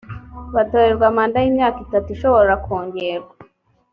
batorerwa manda y’imyaka itatu ishobora kongerwa